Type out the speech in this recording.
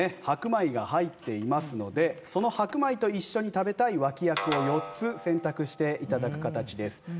白米が入っていますのでその白米と一緒に食べたい脇役を４つ選択して頂く形です。